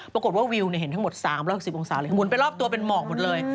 วิวเห็นทั้งหมด๓๖๐องศาเลยหมุนไปรอบตัวเป็นหมอกหมดเลย